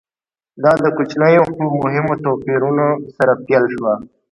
دا د کوچنیو خو مهمو توپیرونو سره پیل شوه